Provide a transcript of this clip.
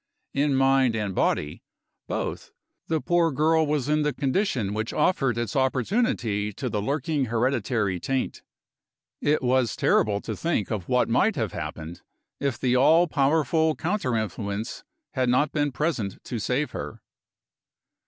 In mind and body, both, the poor girl was in the condition which offered its opportunity to the lurking hereditary taint. It was terrible to think of what might have happened, if the all powerful counter influence had not been present to save her.